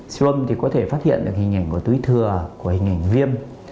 siêu âm thì có thể phát hiện được hình ảnh của túi thừa của hình ảnh viêm